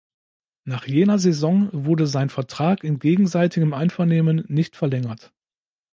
Nach jener Saison wurde sein Vertrag in gegenseitigem Einvernehmen nicht verlängert.